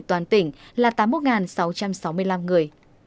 toàn tỉnh là tám mươi một sáu trăm sáu mươi năm người